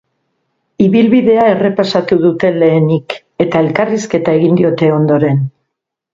Ibilbidea errepasatu dute lehenik, eta elkarrizketa egin diote ondoren.